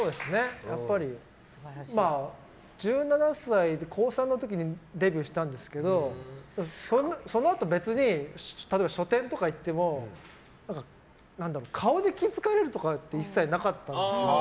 やっぱり、１７歳、高３の時にデビューしたんですけどそのあと、別に書店とか行っても顔に気づかれるとかって一切なかったんですよ。